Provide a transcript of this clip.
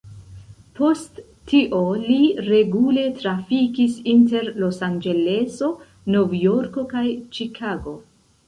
Post tio li regule trafikis inter Los-Anĝeleso, Novjorko kaj Ĉikago.